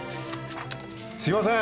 すいません。